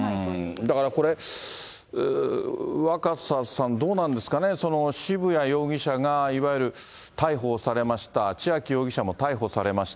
だからこれ、若狭さん、どうなんですかね、渋谷容疑者がいわゆる逮捕されました、千秋容疑者も逮捕されました。